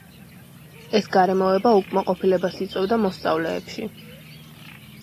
ეს გარემოება უკმაყოფილებას იწვევდა მოსწავლეებში.